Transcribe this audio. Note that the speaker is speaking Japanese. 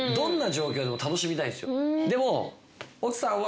でも奥さんは。